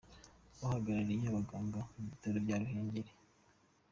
Uhagarariye abaganga mu bitaro bya Ruhengeri, Dr.